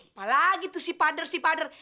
apalagi tuh si pader si pader